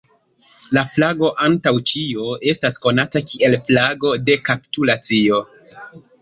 La flago antaŭ ĉio estas konata kiel flago de kapitulaco.